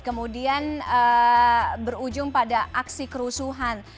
kemudian berujung pada aksi kerusuhan